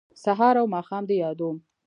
سهار او ماښام دې یادوم